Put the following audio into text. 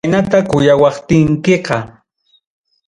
Chaynata kuyawaptikiqa.